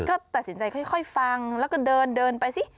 ก็ตัดสินใจค่อยฟังแล้วก็เดินเดินไปสิ